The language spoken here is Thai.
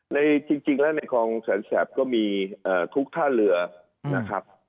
ในคลองแสนแสบก็มีทุกท่าเรือนะครับ